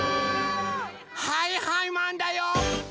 はいはいマンだよ！